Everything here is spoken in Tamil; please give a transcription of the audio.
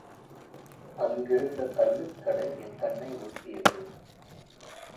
அங்கிருந்த கள்ளுக்கடை என் கண்னை உறுத்தியது.